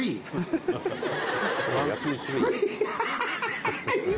３？ハハハ！